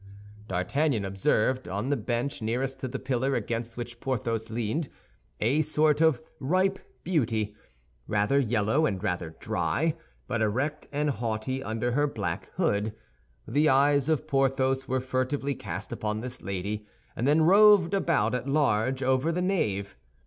D'Artagnan observed, on the bench nearest to the pillar against which Porthos leaned, a sort of ripe beauty, rather yellow and rather dry, but erect and haughty under her black hood. The eyes of Porthos were furtively cast upon this lady, and then roved about at large over the nave.